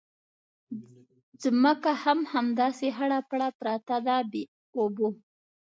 ځمکه هم همداسې خړه پړه پرته ده بې اوبو.